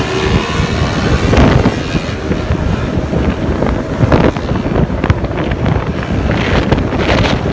ฮาวะ